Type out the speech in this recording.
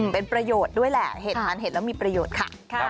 เป็นประโยชน์ด้วยแหละเหตุทานเห็ดแล้วมีประโยชน์ค่ะ